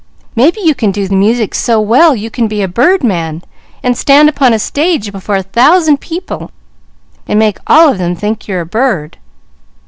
"Maybe you can do the music so well you can be a birdman and stand upon a stage before a thousand people and make all of them think you're a bird."